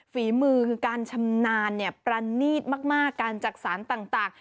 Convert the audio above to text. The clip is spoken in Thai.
ฝีมือการชำนาญเนี่ยปรณีตมากการจักษานต่าง